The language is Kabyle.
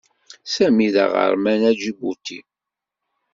Sami d aɣerman aǧibuti.